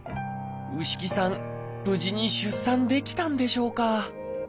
無事に出産できたんでしょうか？